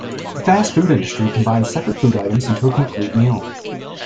The fast food industry combines separate food items into a complete meal.